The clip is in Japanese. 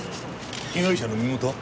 被害者の身元は？